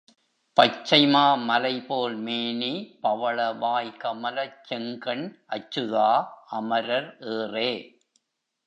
பச்சைமா மலைபோல் மேனி பவளவாய் கமலச் செங்கண் அச்சுதா அமரர் ஏறே!